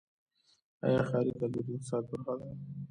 آیا ښاري کلتور د اقتصاد برخه ده؟